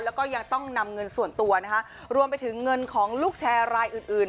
แล้วก็ยังต้องนำเงินส่วนตัวนะคะรวมไปถึงเงินของลูกแชร์รายอื่นอื่น